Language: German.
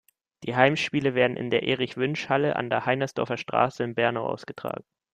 Die Heimspiele werden in der Erich-Wünsch-Halle an der Heinersdorfer Straße in Bernau ausgetragen.